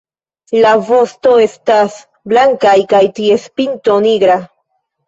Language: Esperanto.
La vosto estas blankaj kaj ties pinto nigra.